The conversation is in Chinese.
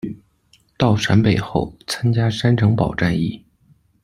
到陕北后，参加山城堡战役。